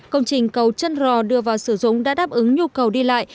công trình cầu chân rò đưa vào sử dụng đã đáp ứng nhu cầu đi lại